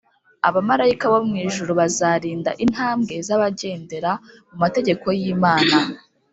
. Abamarayika bo mw’ijuru bazarinda intambwe z’abagendera mu mategeko y’Imana.